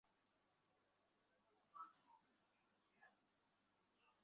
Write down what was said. গন্ধটা উড অ্যালকোহলের মতো।